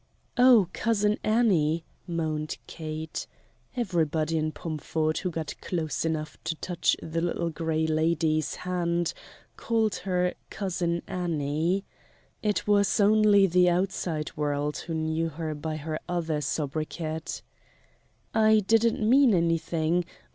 "Oh! Cousin Annie," moaned Kate (everybody in Pomford who got close enough to touch the Little Gray Lady's hand called her "Cousin Annie" it was only the outside world who knew her by her other sobriquet), "I didn't mean anything.